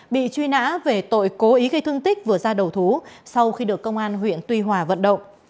bị truy nã về tội cố ý gây thương tích vừa ra đầu thú sau khi được công an huyện tuy hòa vận động